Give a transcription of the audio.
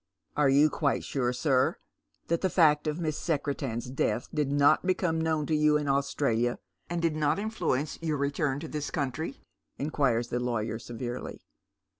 " Are you quite sure, sir, that the fact of Miss Secretan's death did not become known to you in Australia, eCnd did not influence your return to this country ?" inquires the lawyer, severely.